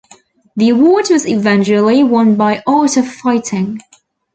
The award was eventually won by Art of Fighting.